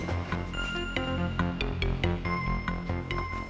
akang sudah hampir setahun di sini